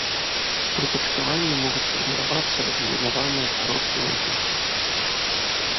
Пры пачкаванні могуць фарміравацца разгалінаваныя, кароткія ланцужкі.